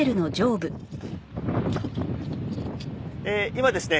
今ですね